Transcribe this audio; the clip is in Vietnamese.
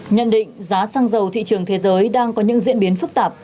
nhận định giá xăng dầu thị trường thế giới đang có những diễn biến phức tạp